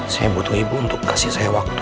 saya butuh ibu untuk kasih saya waktu